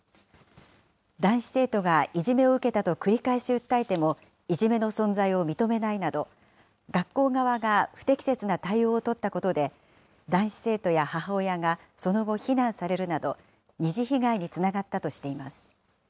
男子生徒がいじめを受けたと繰り返し訴えても、いじめの存在を認めないなど、学校側が不適切な対応を取ったことで、男子生徒や母親がその後、非難されるなど、二次被害につながったとしています。